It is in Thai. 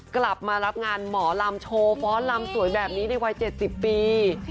กลับมารับงานหมอลำโชว์ฟ้อนลำสวยแบบนี้ในวัย๗๐ปี